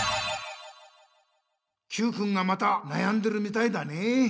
Ｑくんがまたなやんでるみたいだねえ。